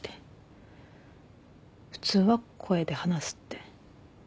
普通は声で話すって。